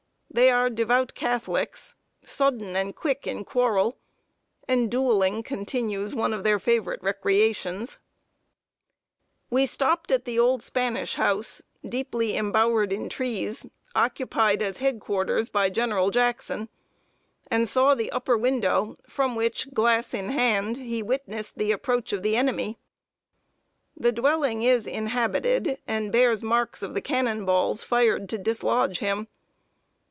They are devout Catholics, sudden and quick in quarrel, and duelling continues one of their favorite recreations. [Sidenote: VISIT TO THE JACKSON BATTLE GROUND.] We stopped at the old Spanish house deeply embowered in trees occupied as head quarters by General Jackson, and saw the upper window from which, glass in hand, he witnessed the approach of the enemy. The dwelling is inhabited, and bears marks of the cannon balls fired to dislodge him.